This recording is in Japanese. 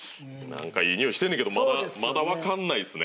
いいにおいしてんねんけどまだまだわかんないですね。